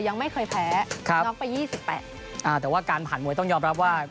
ยังไม่เคยแพ้ครับน็อกไปยี่สิบแปดอ่าแต่ว่าการผ่านมวยต้องยอมรับว่า